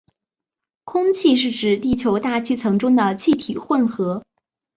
空气是指地球大气层中的气体混合。